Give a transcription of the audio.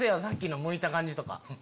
さっきのむいた感じとか。